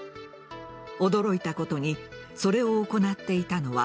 驚いたことにそれを行っていたのは